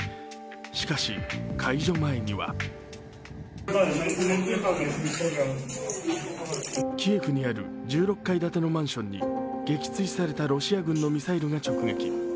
しかし、解除前にはキエフにある１６階建てのマンションに撃墜されたロシア軍のミサイルが直撃。